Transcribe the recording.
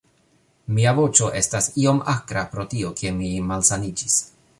Mia voĉo estas iom akra pro tio, ke mi malsaniĝis